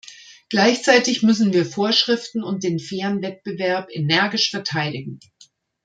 Gleichzeitig müssen wir Vorschriften und den fairen Wettbewerb energisch verteidigen.